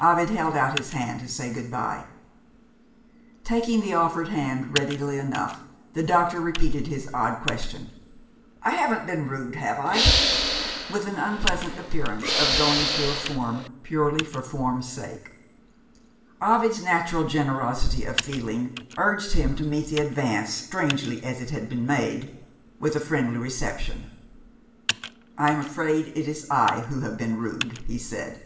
Ovid held out his hand to say good bye. Taking the offered hand readily enough, the doctor repeated his odd question "I haven't been rude, have I?" with an unpleasant appearance of going through a form purely for form's sake. Ovid's natural generosity of feeling urged him to meet the advance, strangely as it had been made, with a friendly reception. "I am afraid it is I who have been rude," he said.